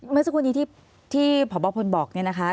เมื่อสักครู่นี้ที่พบพลบอกเนี่ยนะคะ